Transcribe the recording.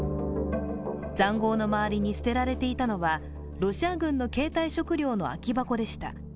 塹壕の周りに捨てられていたのはロシア軍の携帯食料の空き箱でした。